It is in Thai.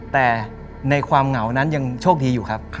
แต่ในความเหงานั้นยังโชคดีอยู่ครับ